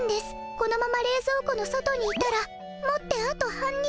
このままれいぞう庫の外にいたらもってあと半日。